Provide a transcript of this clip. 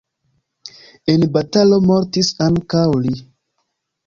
En batalo mortis ankaŭ li.